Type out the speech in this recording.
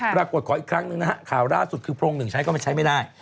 ปรากฏขออีกครั้งหนึ่งนะฮะข่าวล่าสุดคือโพรงหนึ่งใช้ก็มาใช้ไม่ได้